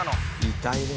痛いね。